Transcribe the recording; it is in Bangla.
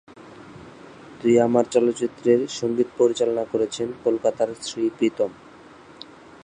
তুই আমার চলচ্চিত্রের সঙ্গীত পরিচালনা করেছেন কলকাতার শ্রী প্রীতম।